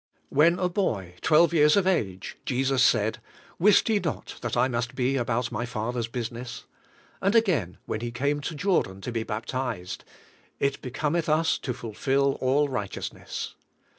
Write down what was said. When a boy twelve years of age Jesus said : "Wist ye not that I must be about my Father's business ?" and again when He came to Jordan to be bap tized: "It becometh us to fulfill all righteousness."